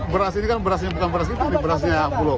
beras ini kan berasnya bukan beras itu berasnya bulog